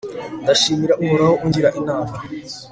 ndashimira uhoraho ungira inama